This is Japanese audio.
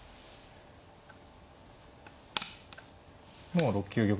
もう６九玉